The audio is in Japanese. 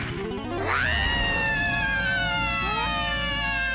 うわ！